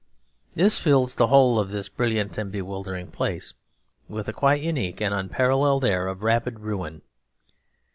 This fills the whole of this brilliant and bewildering place with a quite unique and unparalleled air of rapid ruin.